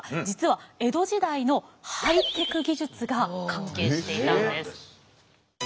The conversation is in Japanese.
実は江戸時代のハイテク技術が関係していたんです。